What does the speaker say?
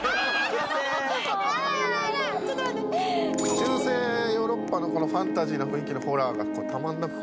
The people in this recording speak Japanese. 中世ヨーロッパのこのファンタジーの雰囲気のホラーがたまらなく怖い。